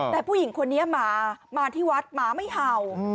แต่ผู้หญิงคนนี้หมามาที่วัดหมาไม่เห่า